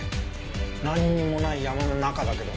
なんにもない山の中だけど。